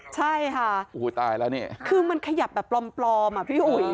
ใช่ค่ะโอ้โหตายแล้วนี่คือมันขยับแบบปลอมอ่ะพี่อุ๋ย